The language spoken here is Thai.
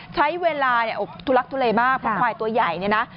ใช้เวลาเนี่ยทุลักทุเลมากเพราะควายตัวใหญ่เนี่ยนะ